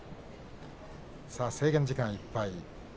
制限時間いっぱい。